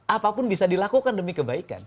apapun bisa dilakukan demi kebaikan